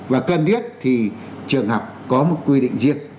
và cần thiết thì trường học có một quy định riêng